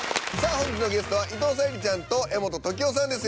本日のゲストは伊藤沙莉ちゃんと柄本時生さんです。